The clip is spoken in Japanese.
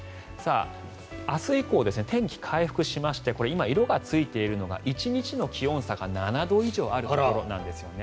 明日以降、天気回復しまして今、色がついているのが１日の気温差が７度以上あるところなんですよね。